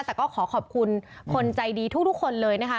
แต่ก็ขอขอบคุณคนใจดีทุกคนเลยนะคะ